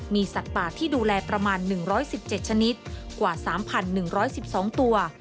มีสัตว์ป่าที่ดูแลประมาณ๑๑๗ชนิดกว่า๓๑๑๒ตัว